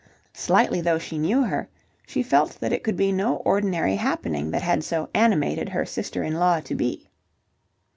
Slightly though she knew her, she felt that it could be no ordinary happening that had so animated her sister in law to be.